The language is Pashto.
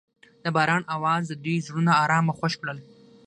د باران اواز د دوی زړونه ارامه او خوښ کړل.